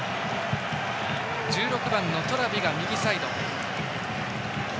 １６番のトラビが右サイド。